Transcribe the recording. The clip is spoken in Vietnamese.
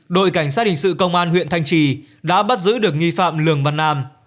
đội cảnh sát hình sự công an huyện thanh trì đã bắt giữ được nghi phạm lường văn nam